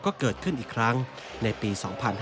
ก็เกิดขึ้นอีกครั้งในปี๒๕๕๙